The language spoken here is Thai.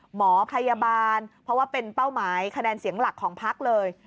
หมอพยาบาลเพราะว่าเป็นเป้าหมายคะแนนเสียงหลักของพักเลย